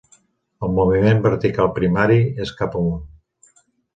El moviment vertical primari és cap amunt.